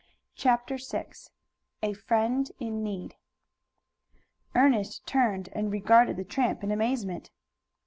CHAPTER VI A FRIEND IN NEED Ernest turned and regarded the tramp in amazement.